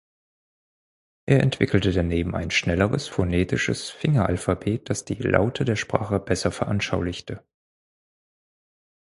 Er entwickelte daneben ein schnelleres phonetisches Fingeralphabet, das die Laute der Sprache besser veranschaulichte.